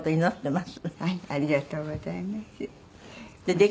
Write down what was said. ありがとうございます。